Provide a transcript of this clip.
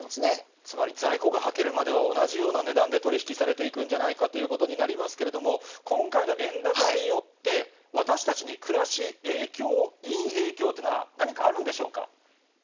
つまり、在庫がはけるまでは同じような値段で取り引きされていくんじゃないかということになりますけれども、今回の円高によって、私たちに暮らし、いい影響というのは、何かあるんでしょうか。